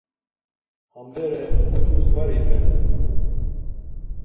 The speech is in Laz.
Ham bere mutis var ipelen.